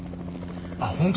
あっ本当だ。